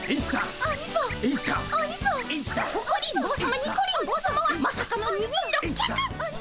オコリン坊さまニコリン坊さまはまさかの二人六脚！